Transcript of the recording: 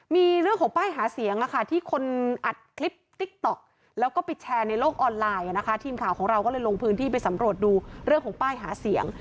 มีเรื่องของป้ายหาเสียงที่คนอัดคลิปติ๊กต๊อกแล้วก็ไปแชร์ในโลกออนไลน์นะคะทีมข่าวของเราก็เลยลงพื้นที่ไปสำรวจดูเรื่องของป้ายหาเสียง